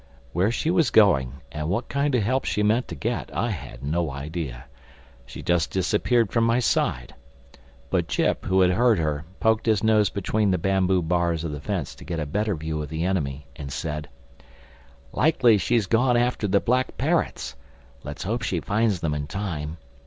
Where she was going and what kind of help she meant to get, I had no idea. She just disappeared from my side. But Jip, who had heard her, poked his nose between the bamboo bars of the fence to get a better view of the enemy and said, "Likely enough she's gone after the Black Parrots. Let's hope she finds them in time.